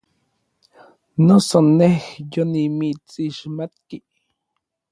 Noso nej yonimitsixmatki.